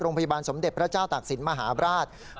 รงพยาบาลสมเด็จพระเจ้าตักศิลป์มหาว์วินาชาติ